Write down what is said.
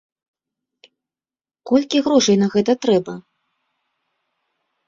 Колькі грошай на гэта трэба?